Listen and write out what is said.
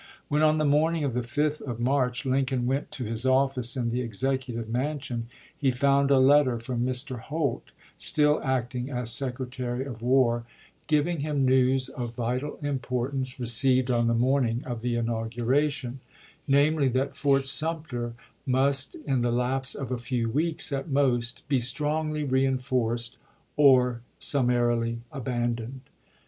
"When on the morning of the 5th of March Lincoln went to his office in the Executive Mansion, he found a letter from Mr. Holt, still acting as Secretary of War, giving Lincoln, Message to Congress, July 4, 1861. THE QUESTION OF SUMTEK 377 hiin news of vital importance received on the ch. xxm. morning of the inauguration — namely, that Fort Sumter must, in the lapse of a few weeks at most, be strongly reenforced or summarily abandoned.